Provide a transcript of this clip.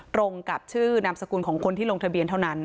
ตรงกับชื่อนามสกุลของคนที่ลงทะเบียนเท่านั้น